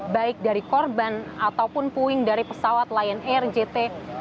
baik dari korban ataupun puing dari pesawat lion air jt enam ratus sepuluh